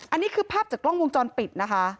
อันนี้คือภาพจากกล้องวงจรปิดนะคะ